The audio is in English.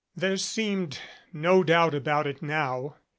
There seemed no doubt about it now.